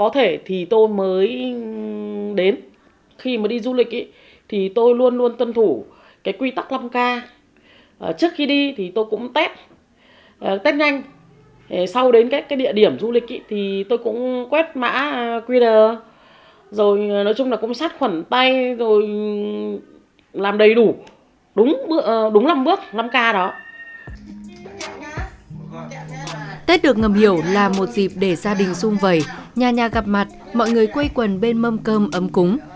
tết được ngầm hiểu là một dịp để gia đình sung vẩy nhà nhà gặp mặt mọi người quây quần bên mâm cơm ấm cúng